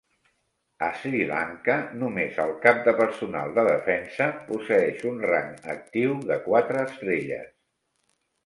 A Sri Lanka, només el Cap de Personal de Defensa posseeix un rang actiu de quatre estrelles.